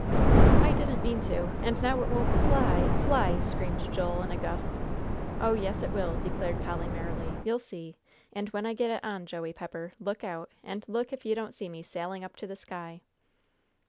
"I didn't mean to. And now it won't fly fly," screamed Joel, in a gust. "Oh, yes, it will," declared Polly, merrily; "you'll see. And when I get it on, Joey Pepper, look out and look if you don't see me sailing up to the sky."